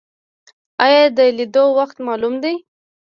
ایا د لیدلو وخت معلوم دی؟